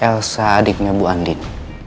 elsa adiknya bu andin